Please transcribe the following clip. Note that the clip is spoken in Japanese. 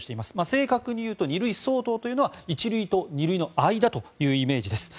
正確に言うと２類相当というのは１類と２類の間というイメージです。